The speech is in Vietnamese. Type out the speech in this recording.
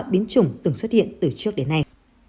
biến chủng từng xuất hiện từ trước đến nay